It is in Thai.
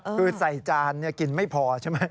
คือใส่จานกินไม่พอใช่ไหม